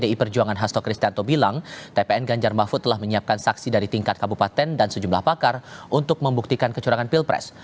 pdi perjuangan hasto kristianto bilang tpn ganjar mahfud telah menyiapkan saksi dari tingkat kabupaten dan sejumlah pakar untuk membuktikan kecurangan pilpres